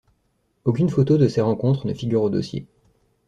Aucune photo de ces rencontres ne figure au dossier.